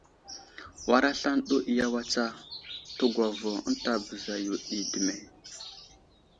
War aslane ɗo iyaway tsa, təgwavo ənta bəza yo ɗi dəme !